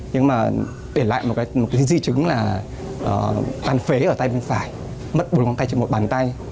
nhưng mà để lại một di chứng là tan phế ở tay bên phải mất một bàn tay